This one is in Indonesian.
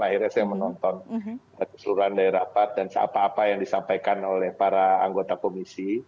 akhirnya saya menonton keseluruhan dari rapat dan apa apa yang disampaikan oleh para anggota komisi